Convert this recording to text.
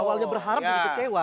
awalnya berharap jadi kecewa